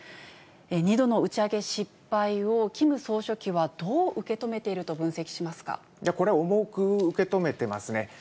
２度の打ち上げ失敗を、キム総書記はどう受け止めていると分析しこれ、重く受け止めてますね。